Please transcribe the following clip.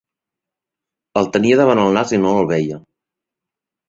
El tenia davant el nas i no el veia.